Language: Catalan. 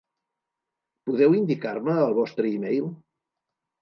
Podeu indicar-me el vostre e-mail?